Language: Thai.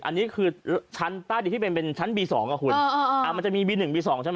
อันนี้คือชั้นใต้ดินที่เป็นเป็นชั้นบีสองอ่ะคุณมันจะมีบีหนึ่งบีสองใช่ไหม